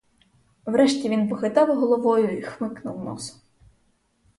Врешті він похитав головою і хмикнув носом.